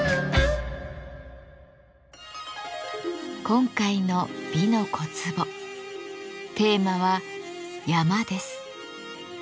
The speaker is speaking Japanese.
今回の「美の小壺」テーマは「山」です。